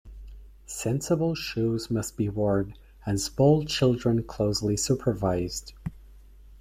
Sensible shoes must be worn and small children closely supervised.